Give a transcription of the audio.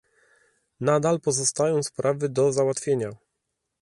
Nadal pozostają sprawy do załatwienia